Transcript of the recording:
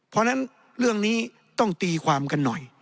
เพราะฉะนั้นเรื่องนี้ต้องตีความกันหน่อย